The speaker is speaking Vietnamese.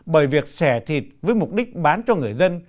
bởi việc xẻ thịt với mục đích bán cho người dân